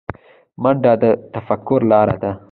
منډه د تفکر لاره ده